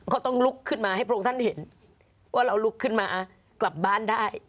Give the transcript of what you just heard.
เขาต้องลุกขึ้นมาให้พระองค์ท่านเห็นว่าเราลุกขึ้นมากลับบ้านได้